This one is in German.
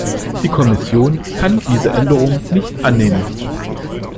Die Kommission kann diese Änderung nicht annehmen.